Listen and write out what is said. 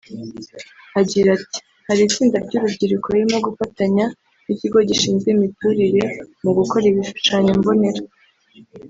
Agira ati “Hari itsinda ry’urubyiruko ririmo gufatanya n’Ikigo gishinzwe imiturire mu gukora ibishushanyombonera